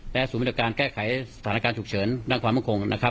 และศูนย์มาตรการแก้ไขสถานการณ์ฉุกเฉินด้านความปกครองนะครับ